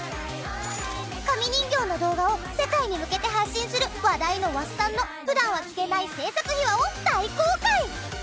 紙人形の動画を世界に向けて発信する話題のわすさんの普段は聞けない制作秘話を大公開！